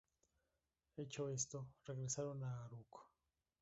Hecho esto, regresaron a Arauco.